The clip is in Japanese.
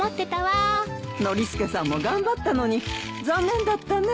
ノリスケさんも頑張ったのに残念だったね。